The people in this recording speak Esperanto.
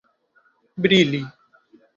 brili